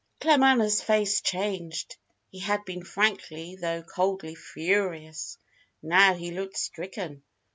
Claremanagh's face changed. He had been frankly though coldly furious. Now he looked stricken.